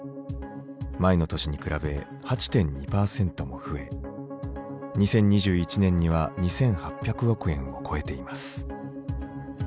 前の年に比べ８．２パーセントも増え２０２１年には２８００億円を超えています。